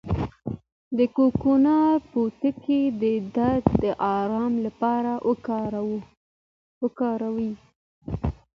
د کوکنارو پوټکی د درد د ارام لپاره وکاروئ